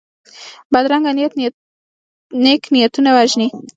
بدرنګه نیت نېک نیتونه وژني